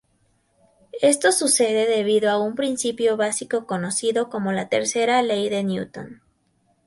Esto sucede debido a un principio básico conocido como la Tercera Ley de Newton.